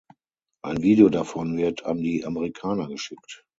Ein Video davon wird an die Amerikaner geschickt.